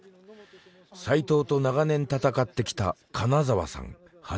齋藤と長年戦ってきた金澤さん８６歳。